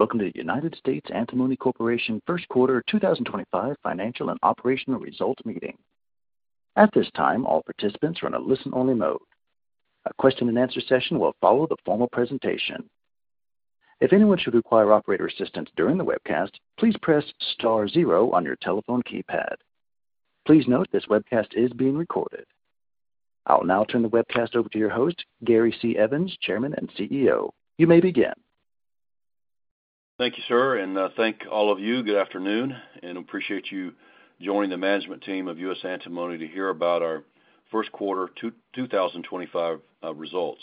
Welcome to the United States Antimony Corporation First Quarter 2025 Financial and Operational Results Meeting. At this time, all participants are in a listen-only mode. A Q&A session will follow the formal presentation. If anyone should require operator assistance during the webcast, please press star zero on your telephone keypad. Please note this webcast is being recorded. I'll now turn the webcast over to your host, Gary C. Evans, Chairman and CEO. You may begin. Thank you, sir, and thank all of you. Good afternoon, and I appreciate you joining the management team of United States Antimony to hear about our first quarter 2025 results.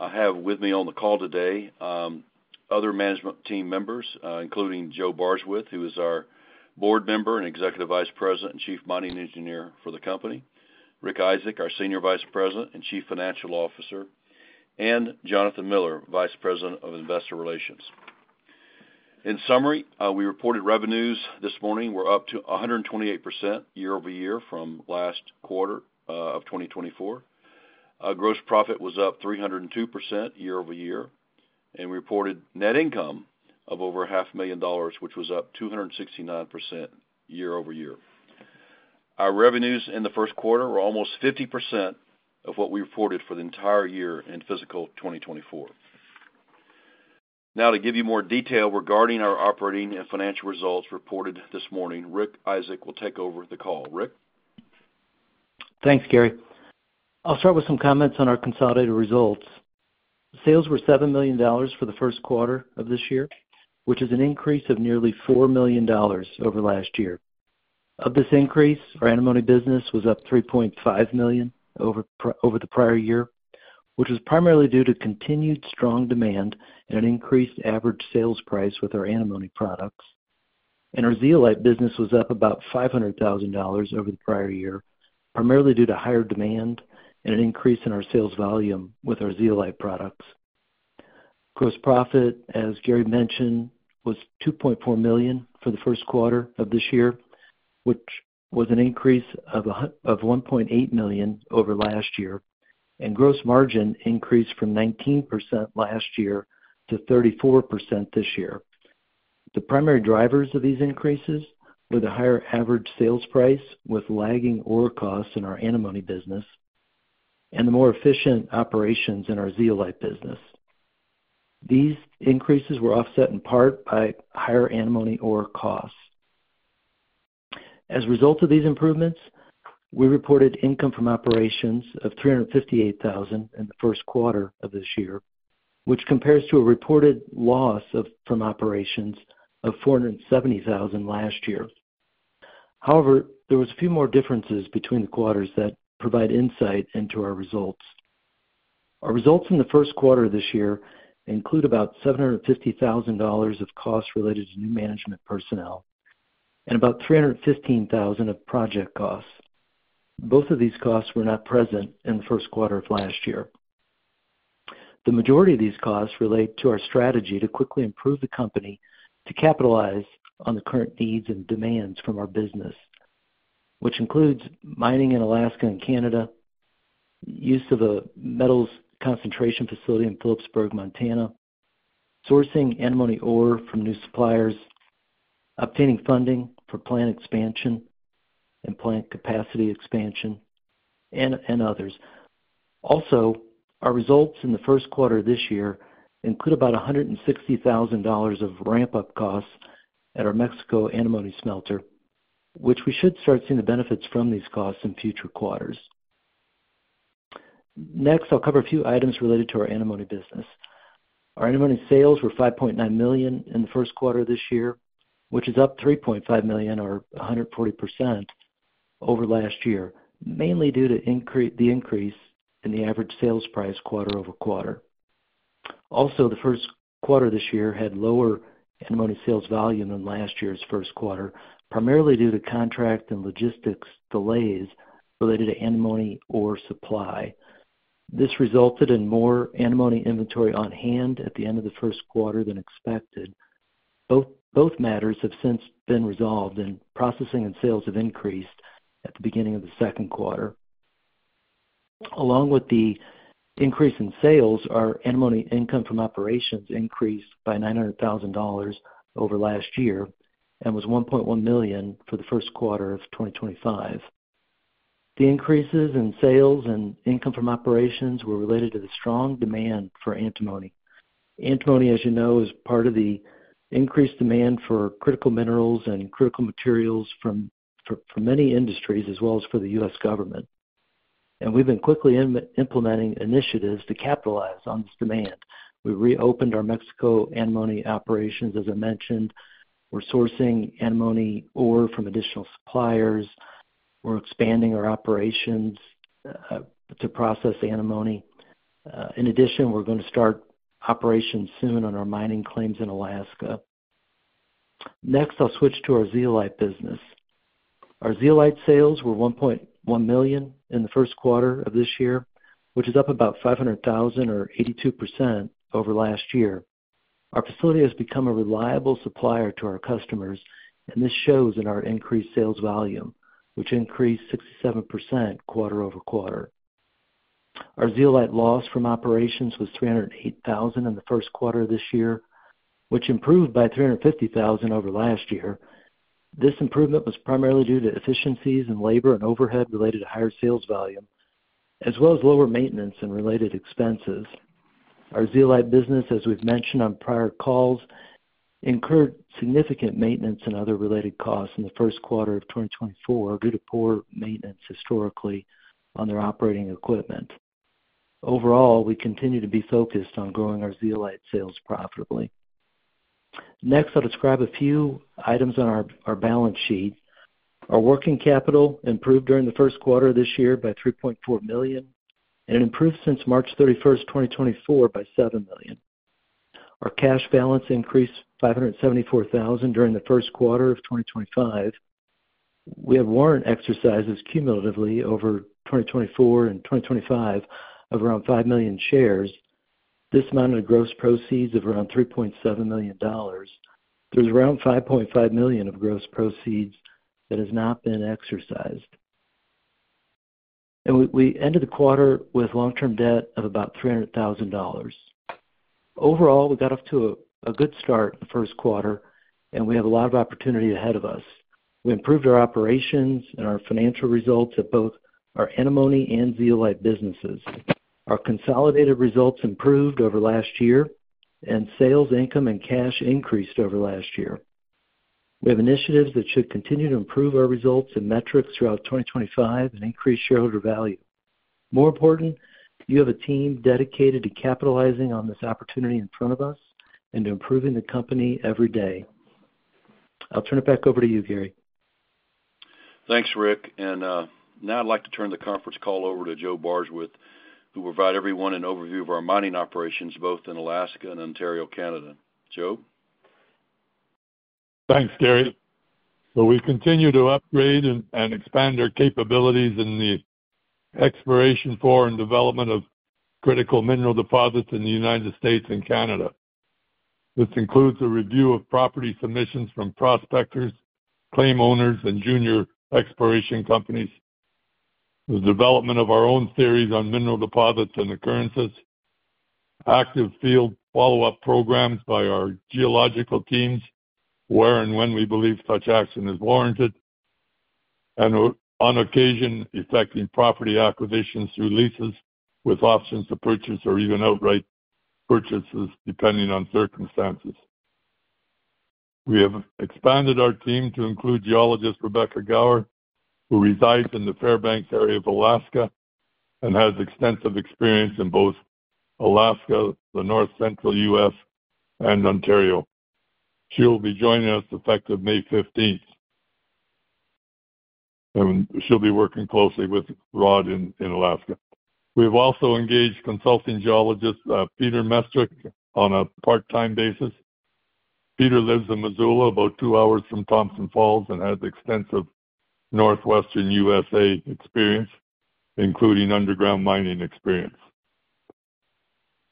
I have with me on the call today other management team members, including Joe Bardswich, who is our board member and executive vice president and chief mining engineer for the company, Rich Isaak, our senior vice president and chief financial officer, and Jonathan Miller, vice president of investor relations. In summary, we reported revenues this morning were up to 128% year over year from last quarter of 2024. Gross profit was up 302% year over year, and we reported net income of over $500,000, which was up 269% year over year. Our revenues in the first quarter were almost 50% of what we reported for the entire year in fiscal 2024. Now, to give you more detail regarding our operating and financial results reported this morning, Rich Isaak will take over the call. Rick. Thanks, Gary. I'll start with some comments on our consolidated results. Sales were $7 million for the first quarter of this year, which is an increase of nearly $4 million over last year. Of this increase, our antimony business was up $3.5 million over the prior year, which was primarily due to continued strong demand and an increased average sales price with our antimony products. Our zeolite business was up about $500,000 over the prior year, primarily due to higher demand and an increase in our sales volume with our zeolite products. Gross profit, as Gary mentioned, was $2.4 million for the first quarter of this year, which was an increase of $1.8 million over last year, and gross margin increased from 19% last year to 34% this year. The primary drivers of these increases were the higher average sales price with lagging ore costs in our antimony business and the more efficient operations in our zeolite business. These increases were offset in part by higher antimony ore costs. As a result of these improvements, we reported income from operations of $358,000 in the first quarter of this year, which compares to a reported loss from operations of $470,000 last year. However, there were a few more differences between the quarters that provide insight into our results. Our results in the first quarter of this year include about $750,000 of costs related to new management personnel and about $315,000 of project costs. Both of these costs were not present in the first quarter of last year. The majority of these costs relate to our strategy to quickly improve the company to capitalize on the current needs and demands from our business, which includes mining in Alaska and Canada, use of a metals concentration facility in Philipsburg, Montana, sourcing antimony ore from new suppliers, obtaining funding for plant expansion and plant capacity expansion, and others. Also, our results in the first quarter of this year include about $160,000 of ramp-up costs at our Mexico antimony, which we should start seeing the benefits from these costs in future quarters. Next, I'll cover a few items related to our antimony business. Our antimony sales were $5.9 million in the first quarter of this year, which is up $3.5 million, or 140%, over last year, mainly due to the increase in the average sales price quarter-over-quarter. Also, the first quarter of this year had lower antimony sales volume than last year's first quarter, primarily due to contract and logistics delays related to antimony ore supply. This resulted in more antimony inventory on hand at the end of the first quarter than expected. Both matters have since been resolved, and processing and sales have increased at the beginning of the second quarter. Along with the increase in sales, our antimony income from operations increased by $900,000 over last year and was $1.1 million for the first quarter of 2025. The increases in sales and income from operations were related to the strong demand for antimony. Antimony, as you know, is part of the increased demand for critical minerals and critical materials for many industries, as well as for the U.S. government. We've been quickly implementing initiatives to capitalize on this demand. We re-opened our Mexico antimony operations, as I mentioned. We're sourcing antimony ore from additional suppliers. We're expanding our operations to process antimony. In addition, we're going to start operations soon on our mining claims in Alaska. Next, I'll switch to our zeolite business. Our zeolite sales were $1.1 million in the first quarter of this year, which is up about $500,000, or 82%, over last year. Our facility has become a reliable supplier to our customers, and this shows in our increased sales volume, which increased 67% quarter-over-quarter. Our zeolite loss from operations was $308,000 in the first quarter of this year, which improved by $350,000 over last year. This improvement was primarily due to efficiencies in labor and overhead related to higher sales volume, as well as lower maintenance and related expenses. Our zeolite business, as we've mentioned on prior calls, incurred significant maintenance and other related costs in the first quarter of 2024 due to poor maintenance historically on their operating equipment. Overall, we continue to be focused on growing our zeolite sales profitably. Next, I'll describe a few items on our balance sheet. Our working capital improved during the first quarter of this year by $3.4 million, and it improved since March 31st, 2024, by $7 million. Our cash balance increased $574,000 during the first quarter of 2025. We have warrant exercises cumulatively over 2024 and 2025 of around 5 million shares. This amounted to gross proceeds of around $3.7 million. There's around $5.5 million of gross proceeds that has not been exercised. We ended the quarter with long-term debt of about $300,000. Overall, we got off to a good start in the first quarter, and we have a lot of opportunity ahead of us. We improved our operations and our financial results at both our antimony and zeolite businesses. Our consolidated results improved over last year, and sales, income, and cash increased over last year. We have initiatives that should continue to improve our results and metrics throughout 2025 and increase shareholder value. More important, you have a team dedicated to capitalizing on this opportunity in front of us and to improving the company every day. I'll turn it back over to you, Gary. Thanks, Rick. Now I'd like to turn the Conference Call over to Joe Bardswich, who will provide everyone an overview of our mining operations both in Alaska and Ontario, Canada. Joe? Thanks, Gary. We continue to upgrade and expand our capabilities in the exploration, fore, and development of critical mineral deposits in the United States and Canada. This includes a review of property submissions from prospectors, claim owners, and junior exploration companies, the development of our own theories on mineral deposits and occurrences, active field follow-up programs by our geological teams, where and when we believe such action is warranted, and on occasion effecting property acquisitions through leases with options to purchase or even outright purchases depending on circumstances. We have expanded our team to include geologist Rebecca Gower, who resides in the Fairbanks area of Alaska and has extensive experience in both Alaska, the North Central U.S., and Ontario. She will be joining us effective May 15th, and she'll be working closely with Rod in Alaska. We have also engaged consulting geologist Peter Mestrich on a part-time basis. Peter lives in Missoula, about two hours from Thomson Falls, and has extensive Northwestern U.S.A. experience, including underground mining experience.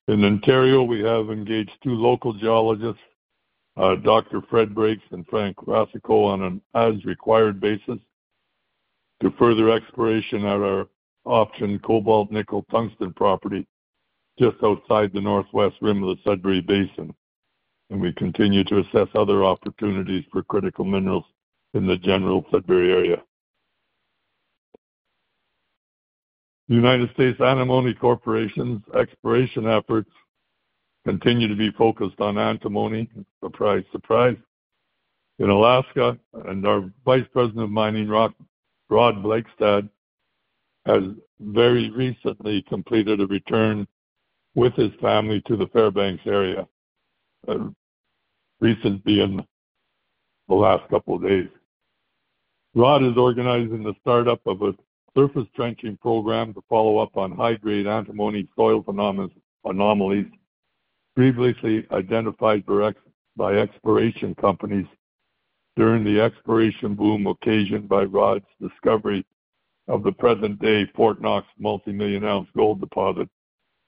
In Ontario, we have engaged two local geologists, Dr. Fred Briggs and Frank Rossico, on an as-required basis to further exploration at our option cobalt-nickel-tungsten property just outside the Northwest rim of the Sudbury Basin. We continue to assess other opportunities for critical minerals in the general Sudbury area. The United States Antimony Corporation's exploration efforts continue to be focused on antimony, surprise, surprise. In Alaska, our Vice President of Mining, Rod Blakestad, has very recently completed a return with his family to the Fairbanks area, recently in the last couple of days. Rod is organizing the startup of a surface trenching program to follow up on high-grade antimony soil anomalies previously identified by exploration companies during the exploration boom occasioned by Rod's discovery of the present-day Fort Knox multimillion-ounce gold deposit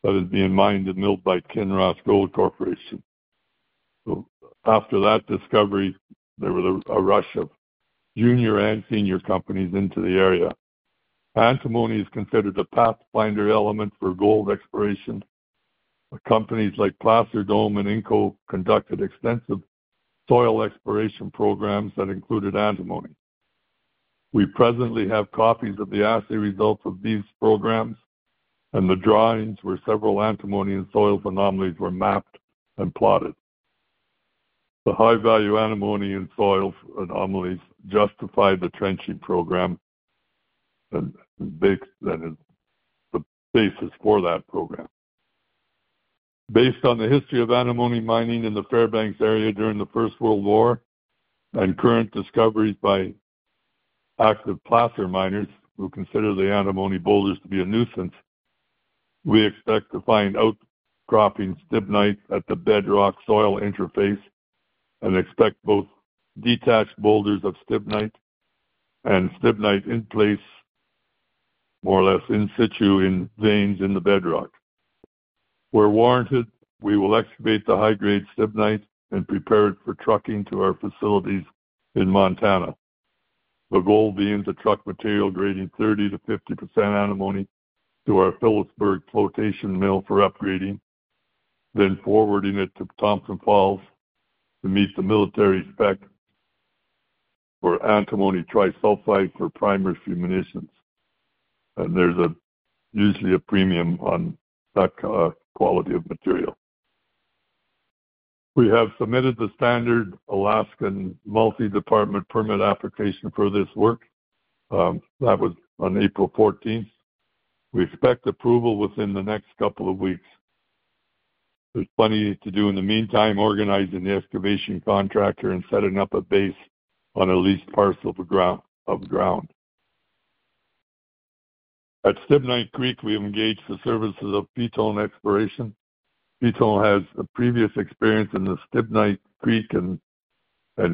that is being mined and milled by Kinross Gold Corporation. After that discovery, there was a rush of junior and senior companies into the area. Antimony is considered a pathfinder element for gold exploration. Companies like Placer Dome Inc conducted extensive soil exploration programs that included antimony. We presently have copies of the assay results of these programs, and the drawings where several antimony and soil anomalies were mapped and plotted. The high-value antimony and soil anomalies justify the trenching program that is the basis for that program. Based on the history of Antimony mining in the Fairbanks area during the First World War and current discoveries by active placer miners who consider the antimony boulders to be a nuisance, we expect to find outcropping stibnite at the bedrock soil interface and expect both detached boulders of stibnite and stibnite in place, more or less in situ, in veins in the bedrock. Where warranted, we will excavate the high-grade stibnite and prepare it for trucking to our facilities in Montana, the goal being to truck material grading 30-50% antimony to our Philipsburg flotation mill for upgrading, then forwarding it to Thomson Falls to meet the military spec for antimony trisulfide for primary fuzing munitions. There is usually a premium on that quality of material. We have submitted the standard Alaskan multi-department permit application for this work. That was on April 14th. We expect approval within the next couple of weeks. There's plenty to do in the meantime, organizing the excavation contractor and setting up a base on a leased parcel of ground. At Stibnite Creek, we have engaged the services of Petone Exploration. Petone has previous experience in the Stibnite Creek and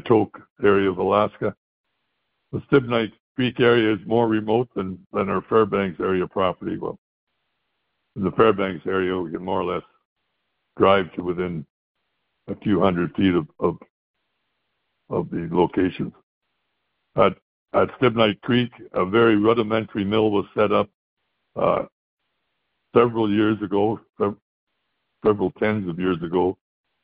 Tok area of Alaska. The Stibnite Creek area is more remote than our Fairbanks area property. In the Fairbanks area, we can more or less drive to within a few hundred feet of the locations. At Stibnite Creek, a very rudimentary mill was set up several years ago, several tens of years ago.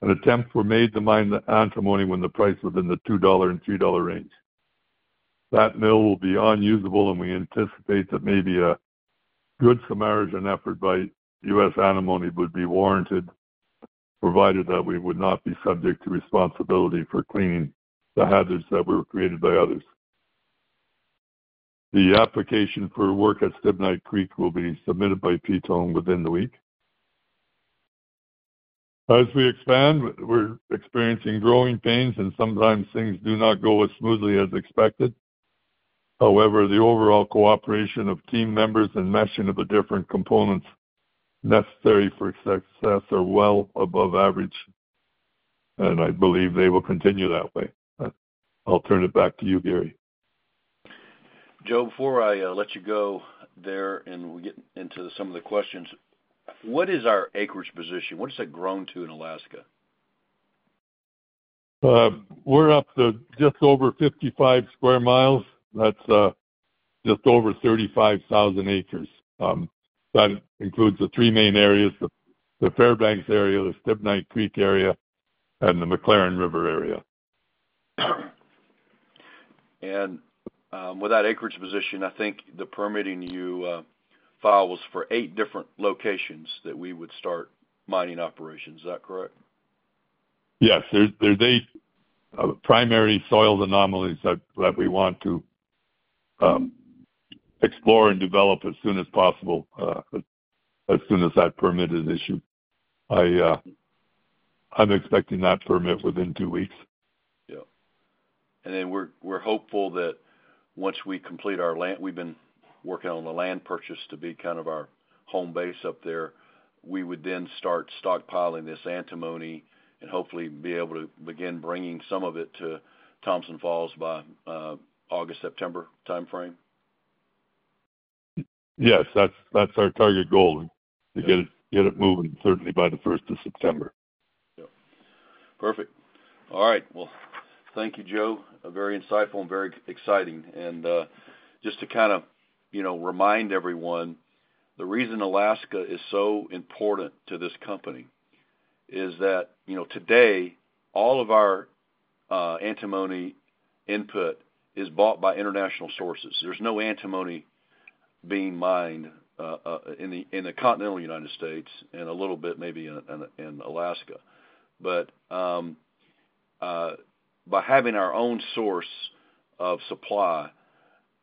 An attempt was made to mine the antimony when the price was in the $2 and $3 range. That mill will be unusable, and we anticipate that maybe a good submerging effort by U.S. Antimony would be warranted, provided that we would not be subject to responsibility for cleaning the hazards that were created by others. The application for work at Stibnite Creek will be submitted by Petone within the week. As we expand, we're experiencing growing pains, and sometimes things do not go as smoothly as expected. However, the overall cooperation of team members and meshing of the different components necessary for success are well above average, and I believe they will continue that way. I'll turn it back to you, Gary. Joe, before I let you go there and we get into some of the questions, what is our acreage position? What has it grown to in Alaska? We're up to just over 55 sq mi. That's just over 35,000 acres. That includes the three main areas: the Fairbanks area, the Stibnite Creek area, and the Maclaren River area. With that acreage position, I think the permitting you filed was for eight different locations that we would start mining operations. Is that correct? Yes. There are eight primary soil anomalies that we want to explore and develop as soon as possible, as soon as that permit is issued. I'm expecting that permit within two weeks. Yeah. We are hopeful that once we complete our land—we have been working on the land purchase to be kind of our home base up there—we would then start stockpiling this antimony and hopefully be able to begin bringing some of it to Thomson Falls by August, September timeframe? Yes. That's our target goal, to get it moving certainly by the 1st of September. Yep. Perfect. All right. Thank you, Joe. Very insightful and very exciting. Just to kind of remind everyone, the reason Alaska is so important to this company is that today, all of our antimony input is bought by international sources. There is no antimony being mined in the continental United States and a little bit maybe in Alaska. By having our own source of supply,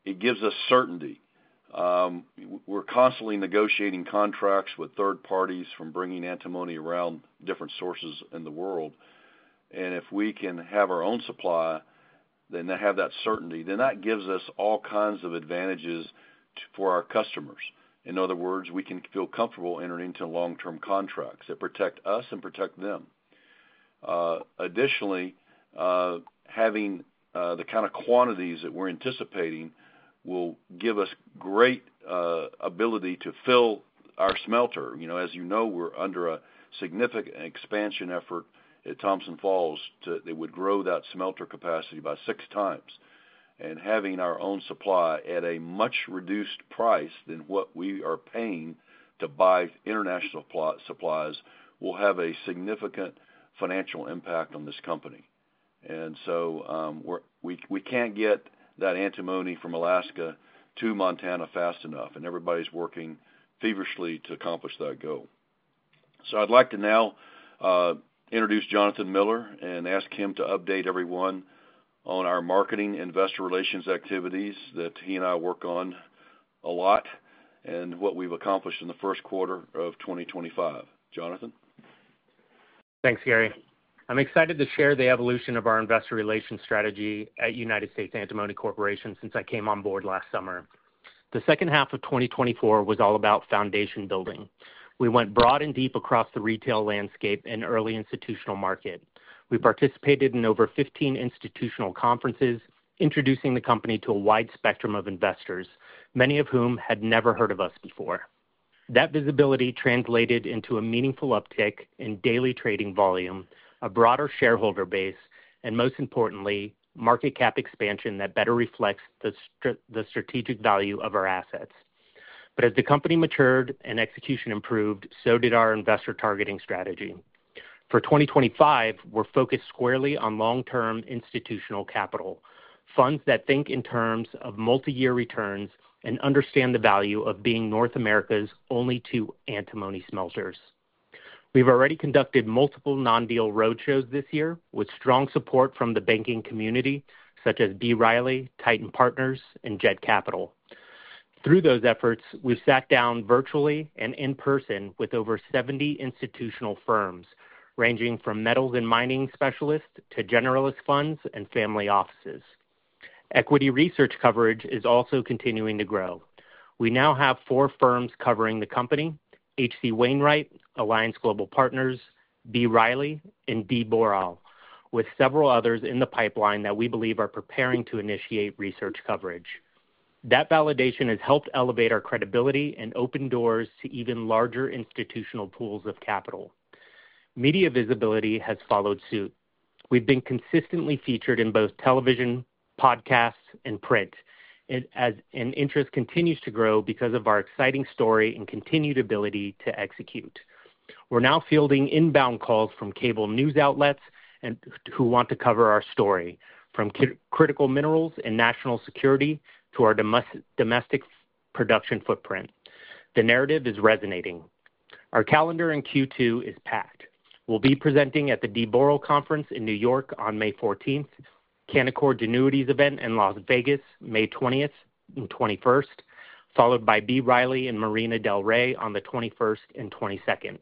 it gives us certainty. We are constantly negotiating contracts with third parties for bringing antimony around different sources in the world. If we can have our own supply, then have that certainty, that gives us all kinds of advantages for our customers. In other words, we can feel comfortable entering into long-term contracts that protect us and protect them. Additionally, having the kind of quantities that we are anticipating will give us great ability to fill our smelter. As you know, we're under a significant expansion effort at Thomson Falls that would grow that smelter capacity by six times. Having our own supply at a much reduced price than what we are paying to buy international supplies will have a significant financial impact on this company. We can't get that antimony from Alaska to Montana fast enough, and everybody's working feverishly to accomplish that goal. I'd like to now introduce Jonathan Miller and ask him to update everyone on our marketing investor relations activities that he and I work on a lot and what we've accomplished in the first quarter of 2025. Jonathan? Thanks, Gary. I'm excited to share the evolution of our investor relations strategy at United States Antimony Corporation since I came on board last summer. The second half of 2024 was all about foundation building. We went broad and deep across the retail landscape and early institutional market. We participated in over 15 institutional conferences, introducing the company to a wide spectrum of investors, many of whom had never heard of us before. That visibility translated into a meaningful uptick in daily trading volume, a broader shareholder base, and most importantly, market cap expansion that better reflects the strategic value of our assets. As the company matured and execution improved, so did our investor targeting strategy. For 2025, we're focused squarely on long-term institutional capital, funds that think in terms of multi-year returns and understand the value of being North America's only two antimony smelters. We've already conducted multiple non-deal roadshows this year with strong support from the banking community, such as B. Riley, Titan Partners, and Jet Capital. Through those efforts, we've sat down virtually and in person with over 70 institutional firms, ranging from metals and mining specialists to generalist funds and family offices. Equity research coverage is also continuing to grow. We now have four firms covering the company: H.C. Wainwright, Alliance Global Partners, B. Riley, and D. Boral, with several others in the pipeline that we believe are preparing to initiate research coverage. That validation has helped elevate our credibility and open doors to even larger institutional pools of capital. Media visibility has followed suit. We've been consistently featured in both television, podcasts, and print, as interest continues to grow because of our exciting story and continued ability to execute. We're now fielding inbound calls from cable news outlets who want to cover our story, from critical minerals and national security to our domestic production footprint. The narrative is resonating. Our calendar in Q2 is packed. We'll be presenting at the D. Boral Conference in New York on May 14th, Canaccord Genuity's event in Las Vegas, May 20th and 21st, followed by B. Riley in Marina Del Rey on the 21st and 22nd.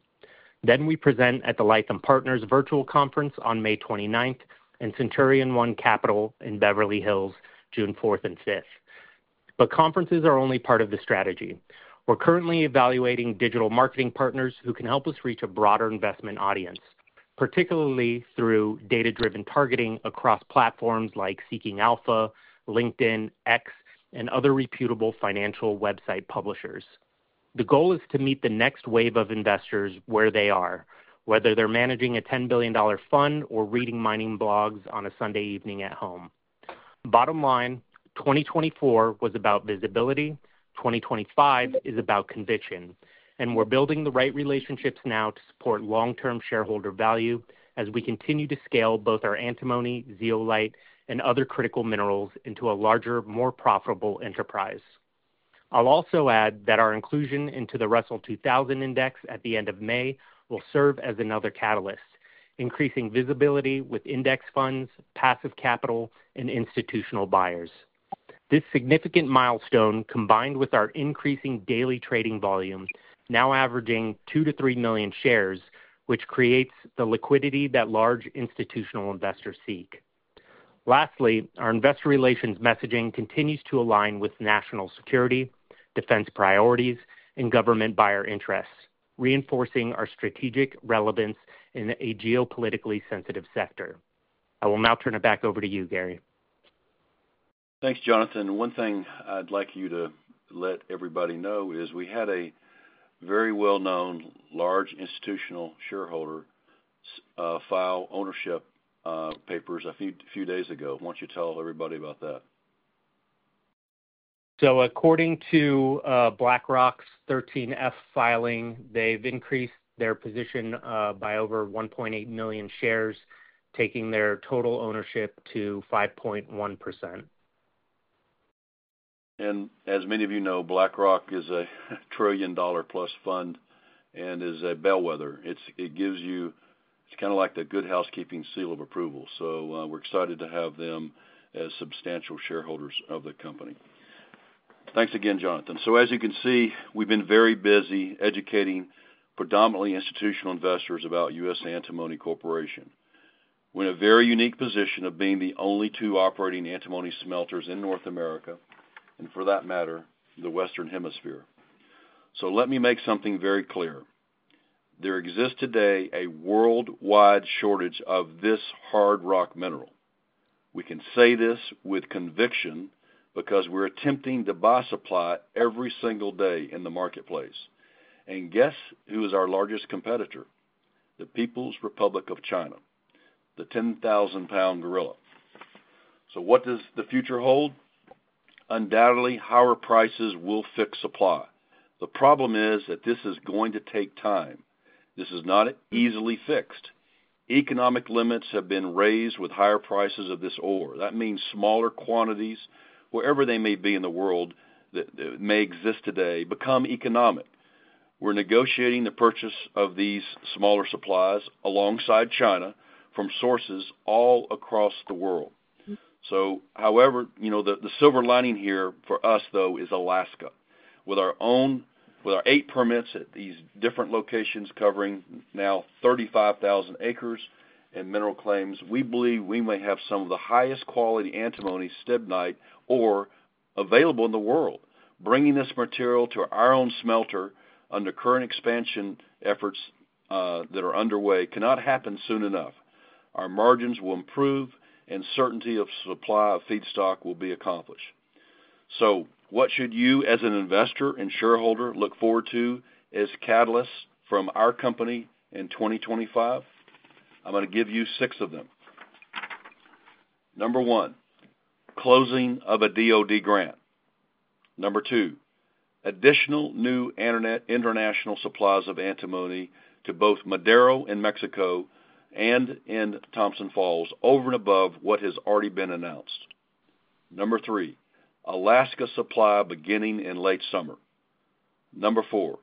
We present at the Lytham Partners Virtual Conference on May 29th and Centurion One Capital in Beverly Hills, June 4th and 5th. Conferences are only part of the strategy. We're currently evaluating digital marketing partners who can help us reach a broader investment audience, particularly through data-driven targeting across platforms like Seeking Alpha, LinkedIn, X, and other reputable financial website publishers. The goal is to meet the next wave of investors where they are, whether they're managing a $10 billion fund or reading mining blogs on a Sunday evening at home. Bottom line, 2024 was about visibility. 2025 is about conviction. We're building the right relationships now to support long-term shareholder value as we continue to scale both our antimony, zeolite, and other critical minerals into a larger, more profitable enterprise. I'll also add that our inclusion into the Russell 2000 Index at the end of May will serve as another catalyst, increasing visibility with index funds, passive capital, and institutional buyers. This significant milestone, combined with our increasing daily trading volume, now averaging 2-3 million shares, creates the liquidity that large institutional investors seek. Lastly, our investor relations messaging continues to align with national security, defense priorities, and government buyer interests, reinforcing our strategic relevance in a geopolitically sensitive sector. I will now turn it back over to you, Gary. Thanks, Jonathan. One thing I'd like you to let everybody know is we had a very well-known large institutional shareholder file ownership papers a few days ago. Why don't you tell everybody about that? According to BlackRock's 13F filing, they've increased their position by over 1.8 million shares, taking their total ownership to 5.1%. As many of you know, BlackRock is a trillion-dollar-plus fund and is a bellwether. It gives you—it's kind of like the Good Housekeeping Seal of approval. We're excited to have them as substantial shareholders of the company. Thanks again, Jonathan. As you can see, we've been very busy educating predominantly institutional investors about US Antimony Corporation. We're in a very unique position of being the only two operating antimony smelters in North America, and for that matter, the Western Hemisphere. Let me make something very clear. There exists today a worldwide shortage of this hard rock mineral. We can say this with conviction because we're attempting to buy supply every single day in the marketplace. Guess who is our largest competitor? The People's Republic of China, the 10,000 pound gorilla. What does the future hold? Undoubtedly, higher prices will fix supply. The problem is that this is going to take time. This is not easily fixed. Economic limits have been raised with higher prices of this ore. That means smaller quantities, wherever they may be in the world, that may exist today, become economic. We're negotiating the purchase of these smaller supplies alongside China from sources all across the world. However, the silver lining here for us, though, is Alaska. With our eight permits at these different locations covering now 35,000 acres and mineral claims, we believe we may have some of the highest quality antimony, stibnite, ore available in the world. Bringing this material to our own smelter under current expansion efforts that are underway cannot happen soon enough. Our margins will improve, and certainty of supply of feedstock will be accomplished. What should you, as an investor and shareholder, look forward to as catalysts from our company in 2025? I'm going to give you six of them. Number one, closing of a DOD grant. Number two, additional new international supplies of antimony to both Madero in Mexico and in Thomson Falls over and above what has already been announced. Number three, Alaska supply beginning in late summer. Number four,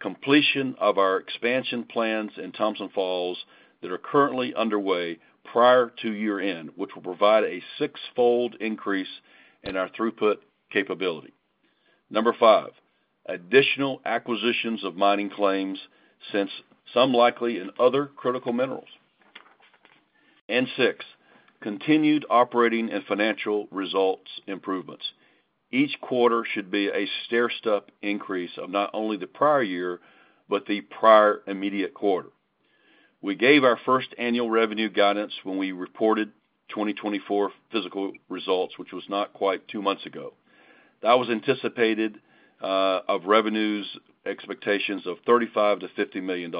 completion of our expansion plans in Thomson Falls that are currently underway prior to year-end, which will provide a six-fold increase in our throughput capability. Number five, additional acquisitions of mining claims, some likely in other critical minerals. And six, continued operating and financial results improvements. Each quarter should be a stair-step increase of not only the prior year, but the prior immediate quarter. We gave our first annual revenue guidance when we reported 2024 physical results, which was not quite two months ago. That was anticipated of revenues expectations of $35 to $50 million.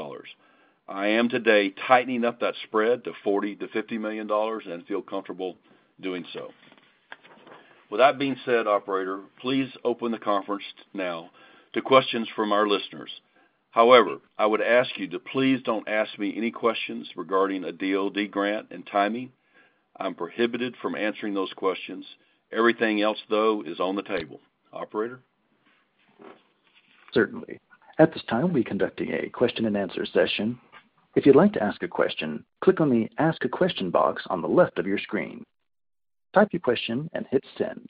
I am today tightening up that spread to $40 to $50 million and feel comfortable doing so. With that being said, Operator, please open the conference now to questions from our listeners. However, I would ask you to please don't ask me any questions regarding a DOD grant and timing. I'm prohibited from answering those questions. Everything else, though, is on the table. Operator? Certainly. At this time, we'll be conducting a Q&A session. If you'd like to ask a question, click on the Ask a Question box on the left of your screen. Type your question and hit Send.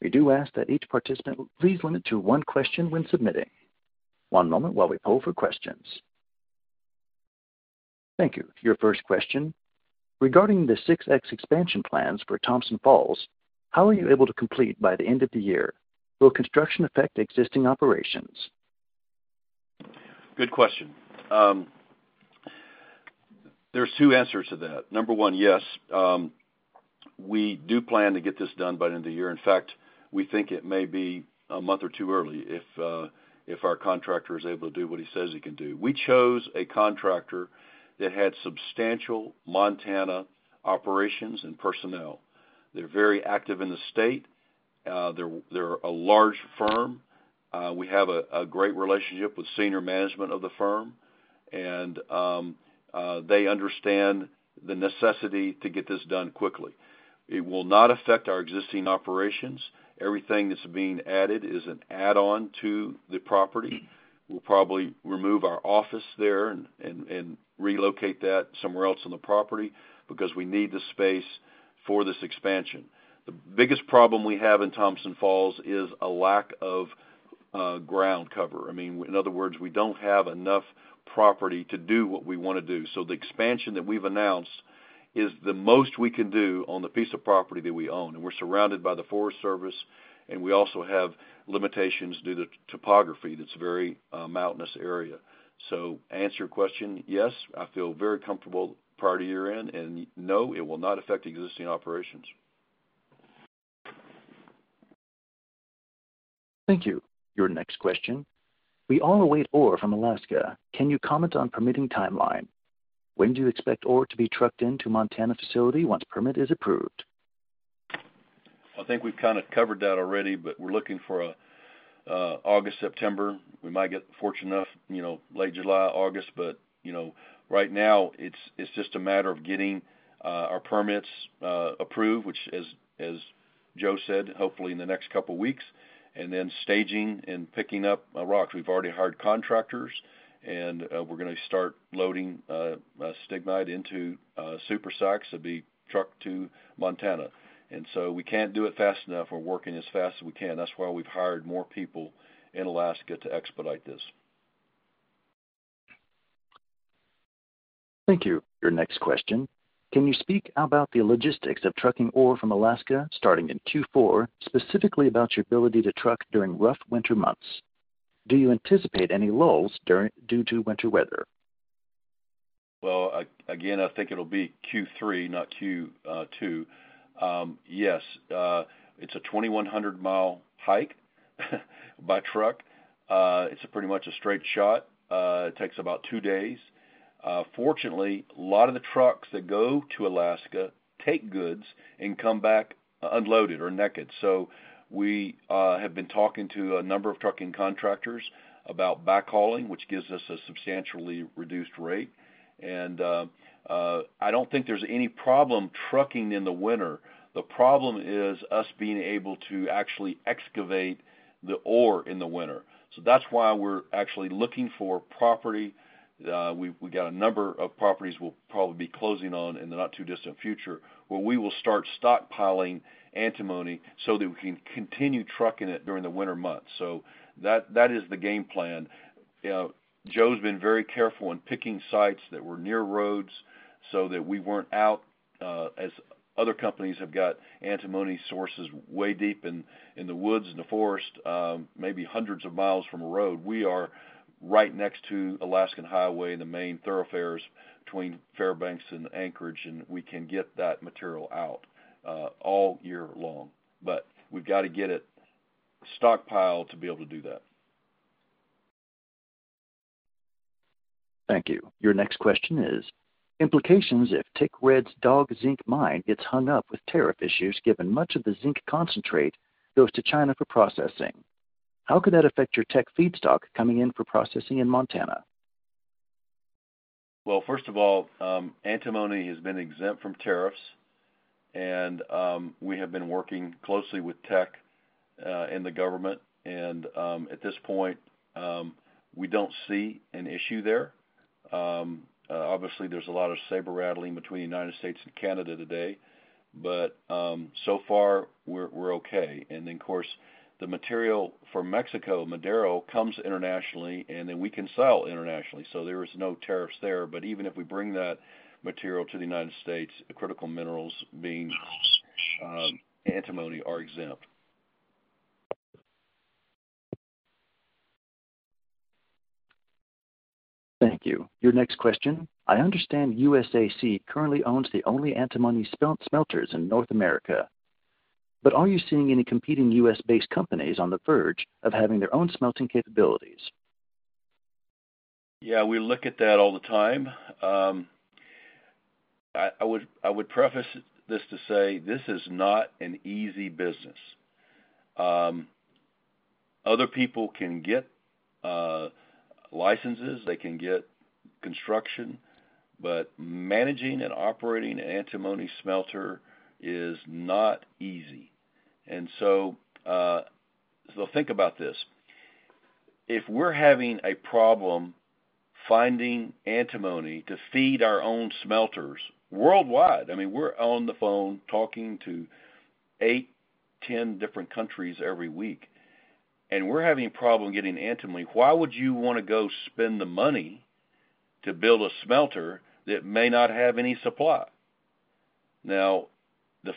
We do ask that each participant please limit to one question when submitting. One moment while we pull for questions. Thank you. Your first question. Regarding the 6X expansion plans for Thomson Falls, how are you able to complete by the end of the year? Will construction affect existing operations? Good question. There are two answers to that. Number one, yes. We do plan to get this done by the end of the year. In fact, we think it may be a month or two early if our contractor is able to do what he says he can do. We chose a contractor that had substantial Montana operations and personnel. They are very active in the state. They are a large firm. We have a great relationship with senior management of the firm, and they understand the necessity to get this done quickly. It will not affect our existing operations. Everything that is being added is an add-on to the property. We will probably remove our office there and relocate that somewhere else on the property because we need the space for this expansion. The biggest problem we have in Thomson Falls is a lack of ground cover. I mean, in other words, we do not have enough property to do what we want to do. The expansion that we have announced is the most we can do on the piece of property that we own. We are surrounded by the Forest Service, and we also have limitations due to topography. It is a very mountainous area. To answer your question, yes, I feel very comfortable prior to year-end. No, it will not affect existing operations. Thank you. Your next question. We all await ore from Alaska. Can you comment on permitting timeline? When do you expect ore to be trucked into Montana facility once permit is approved? I think we've kind of covered that already, but we're looking for August, September. We might get fortunate enough late July, August. Right now, it's just a matter of getting our permits approved, which, as Joe said, hopefully in the next couple of weeks, and then staging and picking up rocks. We've already hired contractors, and we're going to start loading stibnite into Super Sacks to be trucked to Montana. We can't do it fast enough. We're working as fast as we can. That's why we've hired more people in Alaska to expedite this. Thank you. Your next question. Can you speak about the logistics of trucking ore from Alaska starting in Q4, specifically about your ability to truck during rough winter months? Do you anticipate any lulls due to winter weather? I think it'll be Q3, not Q2. Yes. It's a 2,100-mile hike by truck. It's pretty much a straight shot. It takes about two days. Fortunately, a lot of the trucks that go to Alaska take goods and come back unloaded or necked. We have been talking to a number of trucking contractors about backhauling, which gives us a substantially reduced rate. I don't think there's any problem trucking in the winter. The problem is us being able to actually excavate the ore in the winter. That's why we're actually looking for property. We've got a number of properties we'll probably be closing on in the not-too-distant future where we will start stockpiling antimony so that we can continue trucking it during the winter months. That is the game plan. Joe's been very careful in picking sites that were near roads so that we weren't out, as other companies have got antimony sources way deep in the woods and the forest, maybe hundreds of miles from a road. We are right next to Alaskan Highway and the main thoroughfares between Fairbanks and Anchorage, and we can get that material out all year long. We have got to get it stockpiled to be able to do that. Thank you. Your next question is, implications if Teck Red Dog zinc mine gets hung up with tariff issues given much of the zinc concentrate goes to China for processing. How could that affect your Teck feedstock coming in for processing in Montana? First of all, antimony has been exempt from tariffs, and we have been working closely with Teck and the government. At this point, we do not see an issue there. Obviously, there is a lot of saber rattling between the U.S. and Canada today. So far, we are okay. Of course, the material for Mexico, Madero, comes internationally, and then we can sell internationally. There are no tariffs there. Even if we bring that material to the United States, critical minerals being antimony are exempt. Thank you. Your next question. I understand USAC currently owns the only antimony smelters in North America. Are you seeing any competing U.S.-based companies on the verge of having their own smelting capabilities? Yeah, we look at that all the time. I would preface this to say this is not an easy business. Other people can get licenses. They can get construction. But managing and operating an antimony smelter is not easy. Think about this. If we're having a problem finding antimony to feed our own smelters worldwide, I mean, we're on the phone talking to eight, ten different countries every week. We're having a problem getting antimony. Why would you want to go spend the money to build a smelter that may not have any supply?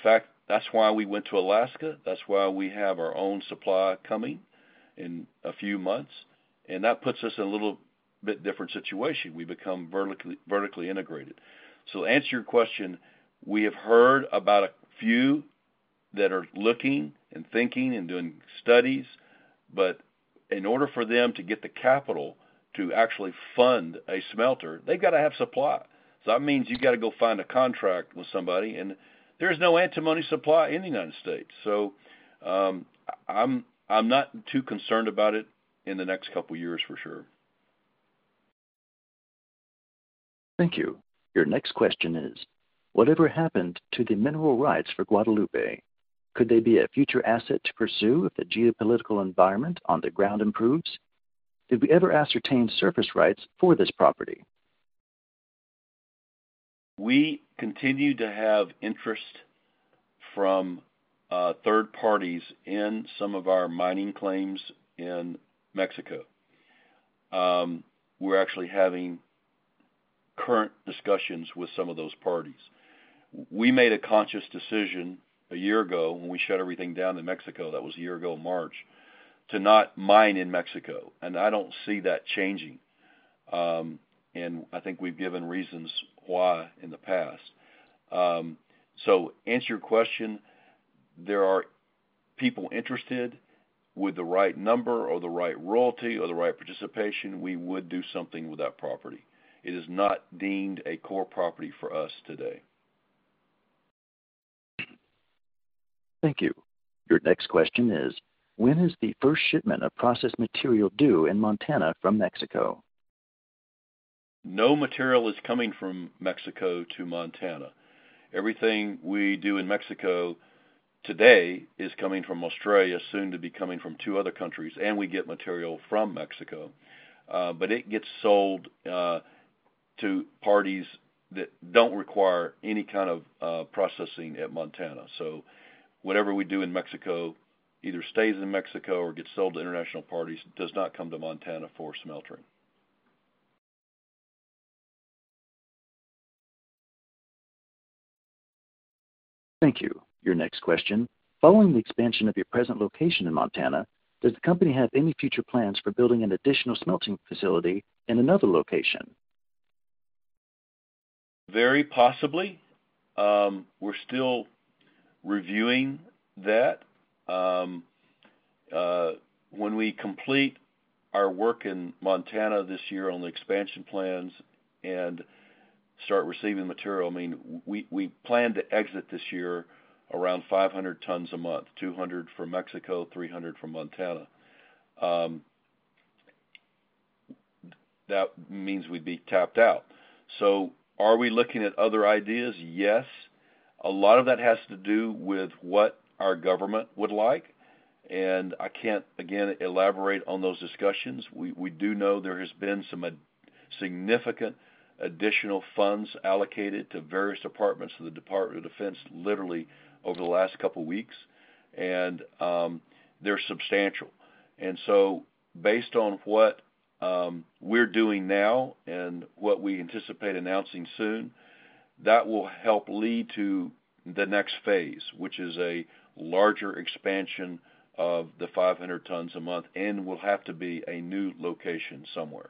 That is why we went to Alaska. That is why we have our own supply coming in a few months. That puts us in a little bit different situation. We become vertically integrated. To answer your question, we have heard about a few that are looking and thinking and doing studies. In order for them to get the capital to actually fund a smelter, they've got to have supply. That means you've got to go find a contract with somebody. There's no antimony supply in the United States. I'm not too concerned about it in the next couple of years, for sure. Thank you. Your next question is, whatever happened to the mineral rights for Guadaloupe? Could they be a future asset to pursue if the geopolitical environment on the ground improves? Did we ever ascertain surface rights for this property? We continue to have interest from third parties in some of our mining claims in Mexico. We're actually having current discussions with some of those parties. We made a conscious decision a year ago when we shut everything down in Mexico. That was a year ago, March, to not mine in Mexico. I do not see that changing. I think we've given reasons why in the past. To answer your question, there are people interested with the right number or the right royalty or the right participation. We would do something with that property. It is not deemed a core property for us today. Thank you. Your next question is, when is the first shipment of processed material due in Montana from Mexico? No material is coming from Mexico to Montana. Everything we do in Mexico today is coming from Australia, soon to be coming from two other countries, and we get material from Mexico. It gets sold to parties that do not require any kind of processing at Montana. Whatever we do in Mexico either stays in Mexico or gets sold to international parties, does not come to Montana for smeltering. Thank you. Your next question. Following the expansion of your present location in Montana, does the company have any future plans for building an additional smelting facility in another location? Very possibly. We're still reviewing that. When we complete our work in Montana this year on the expansion plans and start receiving material, I mean, we plan to exit this year around 500 tons a month, 200 from Mexico, 300 from Montana. That means we'd be tapped out. Are we looking at other ideas? Yes. A lot of that has to do with what our government would like. I can't, again, elaborate on those discussions. We do know there has been some significant additional funds allocated to various departments of the Department of Defense literally over the last couple of weeks. They're substantial. Based on what we're doing now and what we anticipate announcing soon, that will help lead to the next phase, which is a larger expansion of the 500 tons a month, and will have to be a new location somewhere.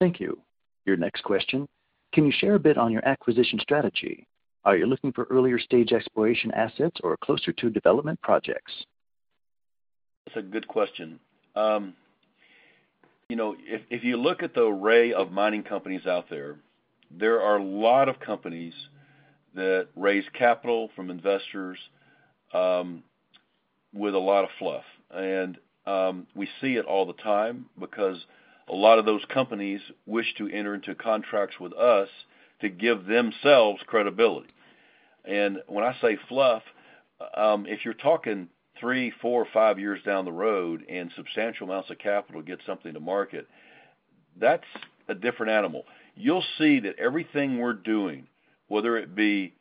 Thank you. Your next question. Can you share a bit on your acquisition strategy? Are you looking for earlier-stage exploration assets or closer-to-development projects? That's a good question. If you look at the array of mining companies out there, there are a lot of companies that raise capital from investors with a lot of fluff. We see it all the time because a lot of those companies wish to enter into contracts with us to give themselves credibility. When I say fluff, if you're talking 3,4,5, years down the road and substantial amounts of capital to get something to market, that's a different animal. You'll see that everything we're doing, whether it be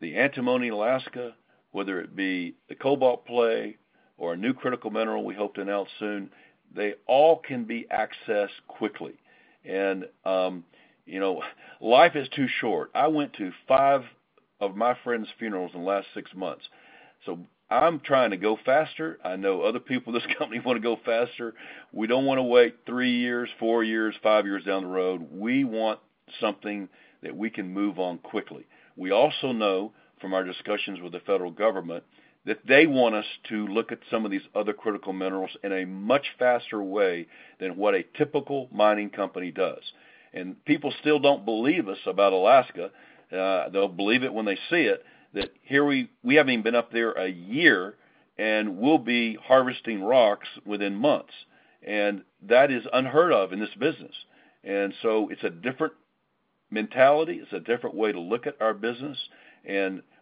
the antimony in Alaska, whether it be the cobalt play, or a new critical mineral we hope to announce soon, they all can be accessed quickly. Life is too short. I went to five of my friends' funerals in the last six months. I'm trying to go faster. I know other people in this company want to go faster. We do not want to wait 3 years, years, 5 years down the road. We want something that we can move on quickly. We also know from our discussions with the federal government that they want us to look at some of these other critical minerals in a much faster way than what a typical mining company does. People still do not believe us about Alaska. They will believe it when they see it that we have not even been up there a year and we will be harvesting rocks within months. That is unheard of in this business. It is a different mentality. It is a different way to look at our business.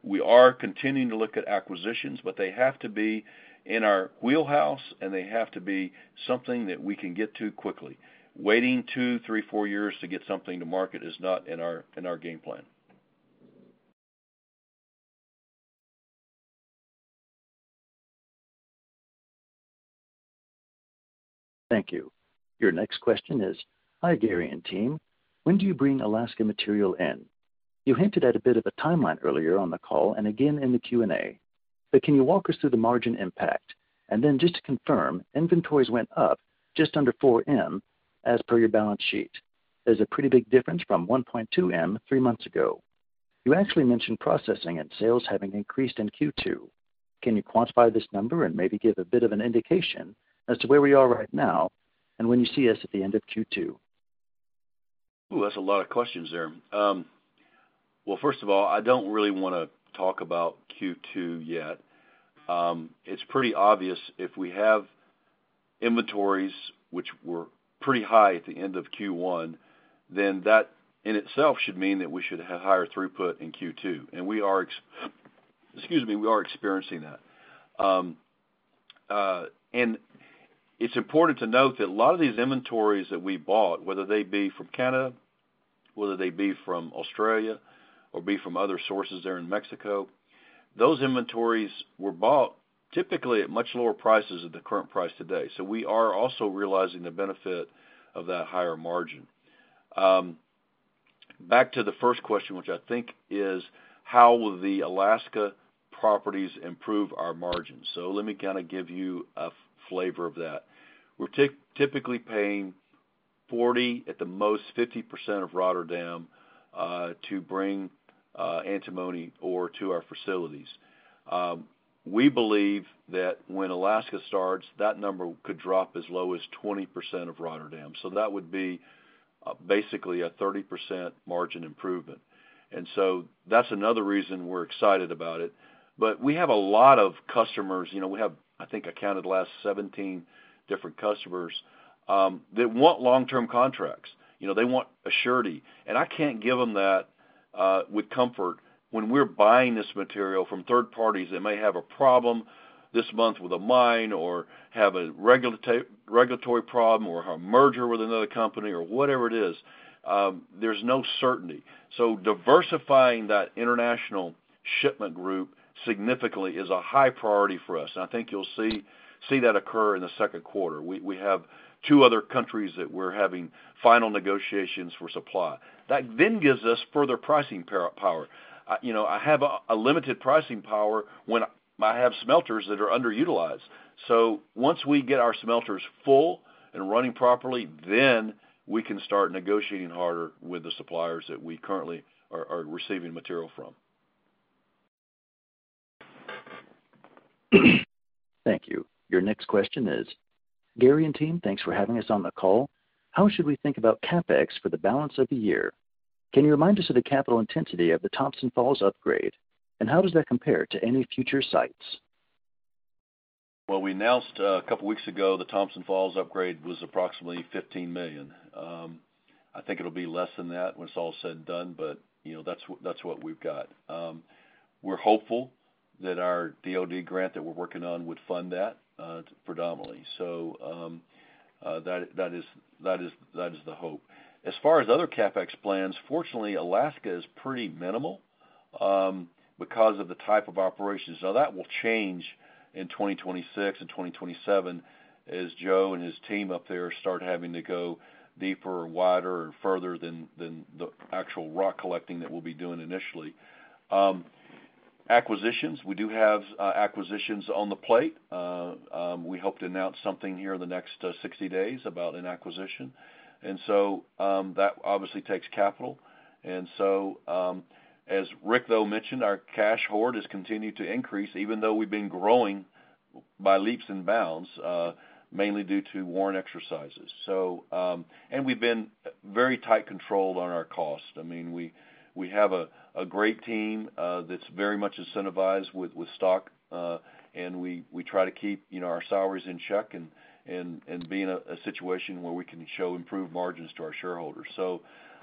We are continuing to look at acquisitions, but they have to be in our wheelhouse, and they have to be something that we can get to quickly. Waiting 2,3,4 years to get something to market is not in our game plan. Thank you. Your next question is, hi Gary and team. When do you bring Alaska material in? You hinted at a bit of a timeline earlier on the call and again in the Q&A. But can you walk us through the margin impact? And then just to confirm, inventories went up just under $4 million as per your balance sheet. There's a pretty big difference from $1.2 million three months ago. You actually mentioned processing and sales having increased in Q2. Can you quantify this number and maybe give a bit of an indication as to where we are right now and when you see us at the end of Q2? Ooh, that's a lot of questions there. First of all, I don't really want to talk about Q2 yet. It's pretty obvious if we have inventories which were pretty high at the end of Q1, then that in itself should mean that we should have higher throughput in Q2. We are—excuse me—we are experiencing that. It's important to note that a lot of these inventories that we bought, whether they be from Canada, whether they be from Australia, or be from other sources there in Mexico, those inventories were bought typically at much lower prices than the current price today. We are also realizing the benefit of that higher margin. Back to the first question, which I think is, how will the Alaska properties improve our margins? Let me kind of give you a flavor of that. We're typically paying 40%, at the most, 50% of Rotterdam to bring antimony or to our facilities. We believe that when Alaska starts, that number could drop as low as 20% of Rotterdam. That would be basically a 30% margin improvement. That is another reason we're excited about it. We have a lot of customers. I think I counted the last 17 different customers that want long-term contracts. They want a surety. I can't give them that with comfort. When we're buying this material from third parties that may have a problem this month with a mine or have a regulatory problem or a merger with another company or whatever it is, there's no certainty. Diversifying that international shipment group significantly is a high priority for us. I think you'll see that occur in the second quarter. We have two other countries that we're having final negotiations for supply. That then gives us further pricing power. I have a limited pricing power when I have smelters that are underutilized. Once we get our smelters full and running properly, then we can start negotiating harder with the suppliers that we currently are receiving material from. Thank you. Your next question is, Gary and team, thanks for having us on the call. How should we think about CapEx for the balance of the year? Can you remind us of the capital intensity of the Thomson Falls upgrade? And how does that compare to any future sites? We announced a couple of weeks ago the Thomson Falls upgrade was approximately $15 million. I think it'll be less than that when it's all said and done, but that's what we've got. We're hopeful that our DOD grant that we're working on would fund that predominantly. That is the hope. As far as other CapEx plans, fortunately, Alaska is pretty minimal because of the type of operations. Now, that will change in 2026 and 2027 as Joe and his team up there start having to go deeper and wider and further than the actual rock collecting that we'll be doing initially. Acquisitions, we do have acquisitions on the plate. We hope to announce something here in the next 60 days about an acquisition. That obviously takes capital. As Rick, though, mentioned, our cash hoard has continued to increase even though we've been growing by leaps and bounds mainly due to warrant exercises. We've been very tightly controlled on our cost. I mean, we have a great team that's very much incentivized with stock, and we try to keep our salaries in check and be in a situation where we can show improved margins to our shareholders.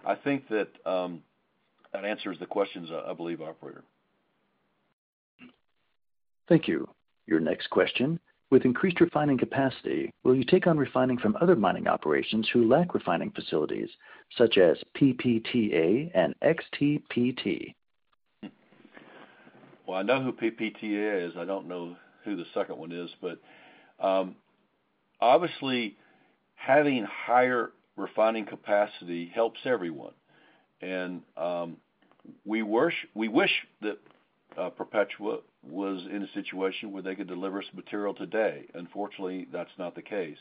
I think that answers the questions, I believe, Operator. Thank you. Your next question. With increased refining capacity, will you take on refining from other mining operations who lack refining facilities such as PPTA and XTPT? I know who PPTA is. I do not know who the second one is. Obviously, having higher refining capacity helps everyone. We wish that Perpetua was in a situation where they could deliver us material today. Unfortunately, that is not the case.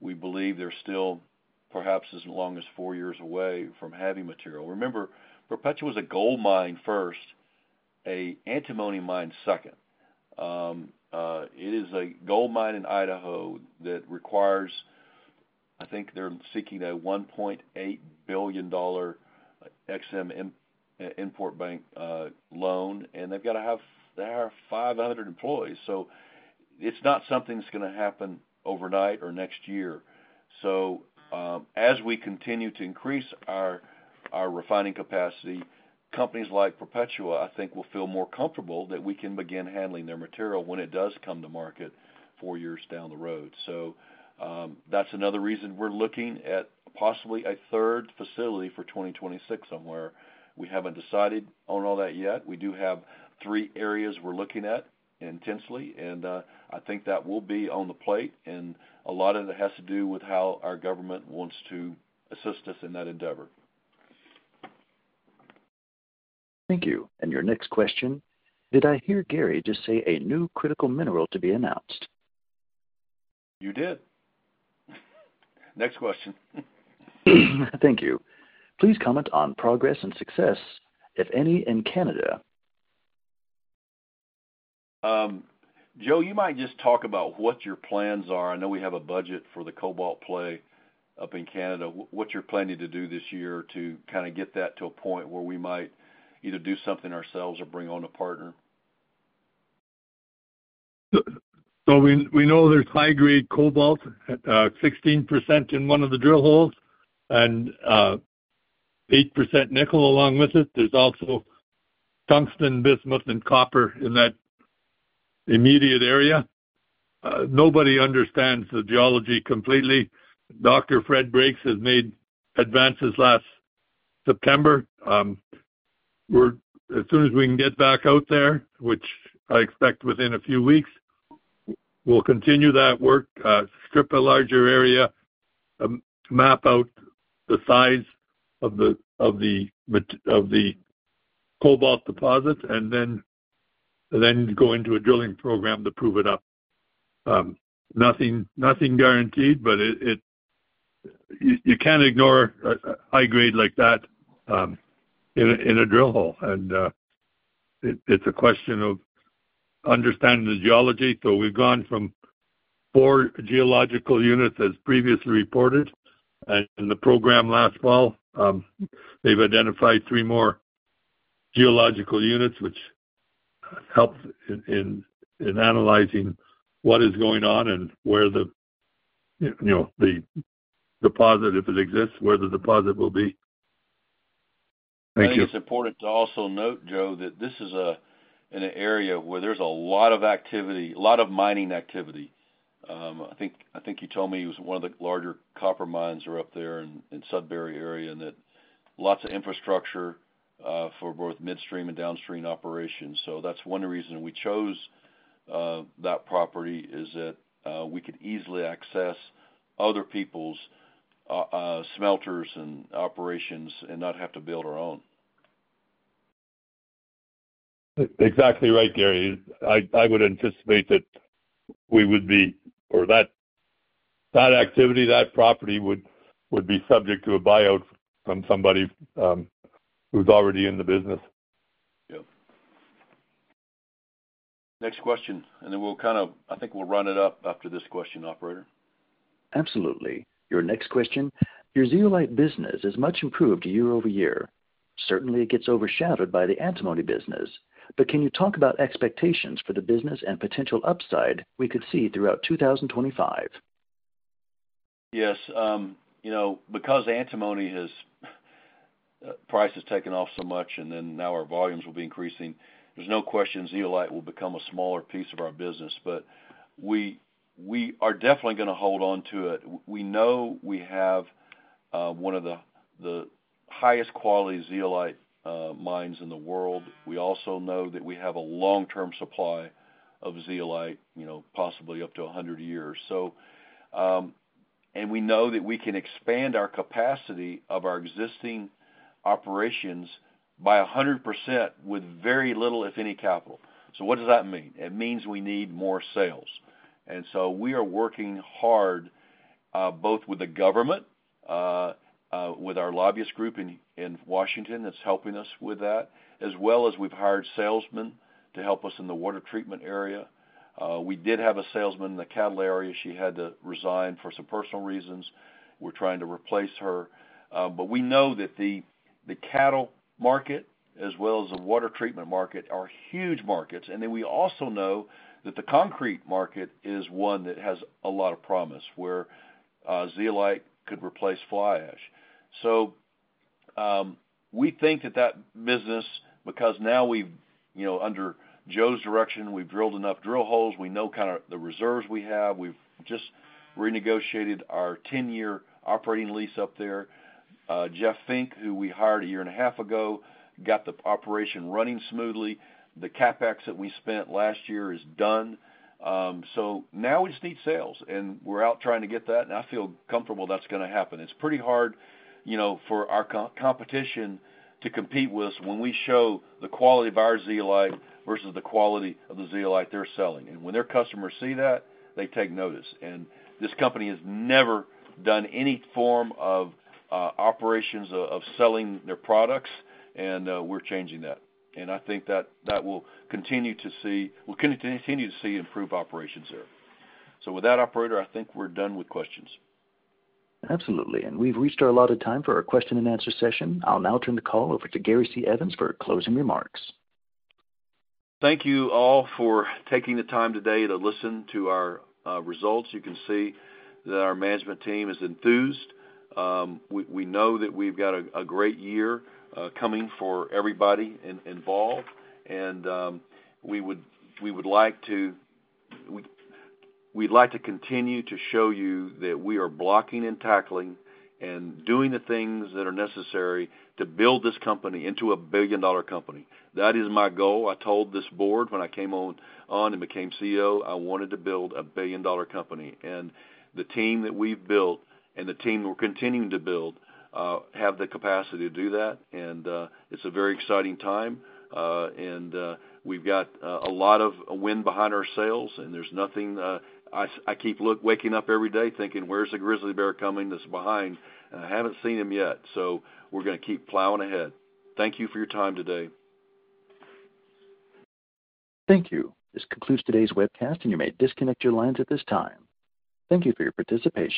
We believe they are still perhaps as long as four years away from having material. Remember, Perpetua was a gold mine first, and antimony mine second. It is a gold mine in Idaho that requires—I think they are seeking a $1.8 billion XM Import Bank loan, and they have to have 500 employees. It is not something that is going to happen overnight or next year. As we continue to increase our refining capacity, companies like Perpetua, I think, will feel more comfortable that we can begin handling their material when it does come to market four years down the road. That's another reason we're looking at possibly a third facility for 2026 somewhere. We haven't decided on all that yet. We do have three areas we're looking at intensely, and I think that will be on the plate. A lot of it has to do with how our government wants to assist us in that endeavor. Thank you. Your next question. Did I hear Gary just say a new critical mineral to be announced? You did. Next question. Thank you. Please comment on progress and success, if any, in Canada. Joe, you might just talk about what your plans are. I know we have a budget for the cobalt play up in Canada. What you're planning to do this year to kind of get that to a point where we might either do something ourselves or bring on a partner? We know there is high-grade cobalt, 16% in one of the drill holes, and 8% nickel along with it. There is also tungsten, bismuth, and copper in that immediate area. Nobody understands the geology completely. Dr. Fred Briggs has made advances last September. As soon as we can get back out there, which I expect within a few weeks, we will continue that work, strip a larger area, map out the size of the cobalt deposit, and then go into a drilling program to prove it up. Nothing guaranteed, but you cannot ignore a high grade like that in a drill hole. It is a question of understanding the geology. We have gone from four geological units, as previously reported, and the program last fall, they have identified three more geological units, which helps in analyzing what is going on and where the deposit, if it exists, where the deposit will be. Thank you. I think it's important to also note, Joe, that this is an area where there's a lot of activity, a lot of mining activity. I think you told me it was one of the larger copper mines that are up there in the Sudbury area and that lots of infrastructure for both midstream and downstream operations. That is one reason we chose that property is that we could easily access other people's smelters and operations and not have to build our own. Exactly right, Gary. I would anticipate that we would be—or that activity, that property would be subject to a buyout from somebody who's already in the business. Yeah. Next question. And then we'll kind of—I think we'll wrap it up after this question, Operator. Absolutely. Your next question. Your zeolite business is much improved year over year. Certainly, it gets overshadowed by the Athat ntimony business. Can you talk about expectations for the business and potential upside we could see throughout 2025? Yes. Because antimony price has taken off so much, and now our volumes will be increasing, there's no question zeolite will become a smaller piece of our business. We are definitely going to hold on to it. We know we have one of the highest-quality zeolite mines in the world. We also know that we have a long-term supply of zeolite, possibly up to 100 years. We know that we can expand our capacity of our existing operations by 100% with very little, if any, capital. What does that mean? It means we need more sales. We are working hard both with the government, with our lobbyist group in Washington that's helping us with that, as well as we've hired salesmen to help us in the water treatment area. We did have a salesman in the cattle area. She had to resign for some personal reasons. We're trying to replace her. We know that the cattle market, as well as the water treatment market, are huge markets. We also know that the concrete market is one that has a lot of promise where zeolite could replace fly ash. We think that that business, because now we've, under Joe's direction, drilled enough drill holes, we know kind of the reserves we have. We've just renegotiated our 10-year operating lease up there. Jeff Fink, who we hired a year and a half ago, got the operation running smoothly. The CapEx that we spent last year is done. Now we just need sales. We're out trying to get that. I feel comfortable that's going to happen. It's pretty hard for our competition to compete with us when we show the quality of our zeolite versus the quality of the zeolite they're selling. When their customers see that, they take notice. This company has never done any form of operations of selling their products, and we're changing that. I think that we will continue to see improved operations there. With that, Operator, I think we're done with questions. Absolutely. We have reached our allotted time for our question-and-answer session. I will now turn the call over to Gary C. Evans for closing remarks. Thank you all for taking the time today to listen to our results. You can see that our management team is enthused. We know that we've got a great year coming for everybody involved. We would like to continue to show you that we are blocking and tackling and doing the things that are necessary to build this company into a billion-dollar company. That is my goal. I told this board when I came on and became CEO I wanted to build a billion-dollar company. The team that we've built and the team that we're continuing to build have the capacity to do that. It is a very exciting time. We've got a lot of wind behind our sails, and there's nothing—I keep waking up every day thinking, "Where's the grizzly bear coming that's behind?" I haven't seen him yet. We're going to keep plowing ahead. Thank you for your time today. Thank you. This concludes today's webcast, and you may disconnect your lines at this time. Thank you for your participation.